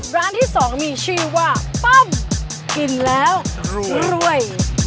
ร้านที่๒มีชื่อว่าปั้มกินแล้วรวย